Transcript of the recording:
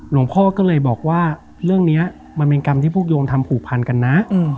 หลวงพ่อก็เลยบอกว่าเรื่องนี้มันเป็นกรรมที่พวกโยมทำผูกพันกันนะ